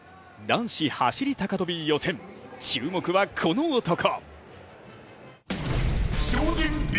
男子走高跳予選、注目はこの男。